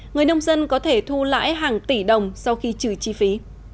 người nông dân có thể thu lãi hàng tỷ đồng sau khi trừ chi phí